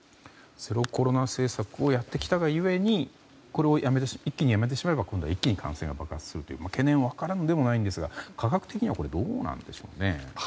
ゼロコロナ政策をやってきたがゆえにこれを一気にやめてしまえば一気に感染が爆発するという懸念も分からんでもないんですが科学的にはどうなんでしょうね。